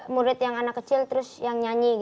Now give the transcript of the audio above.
murid yang anak kecil terus yang nyanyi